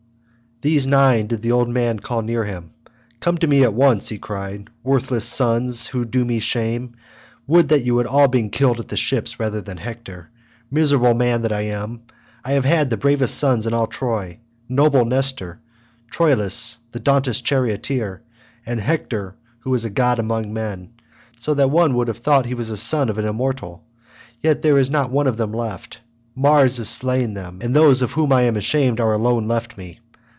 These nine did the old man call near him. "Come to me at once," he cried, "worthless sons who do me shame; would that you had all been killed at the ships rather than Hector. Miserable man that I am, I have had the bravest sons in all Troy—noble Nestor, Troilus the dauntless charioteer, and Hector who was a god among men, so that one would have thought he was son to an immortal—yet there is not one of them left. Mars has slain them and those of whom I am ashamed are alone left me.